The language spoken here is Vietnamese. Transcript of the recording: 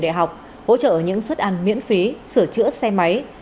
trường đại học hỗ trợ những xuất ăn miễn phí sửa chữa xe máy